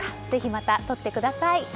ぜひまた撮ってください。